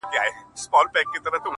بې له ميني که ژوندون وي که دنیا وي,